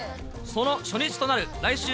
その初日となる来週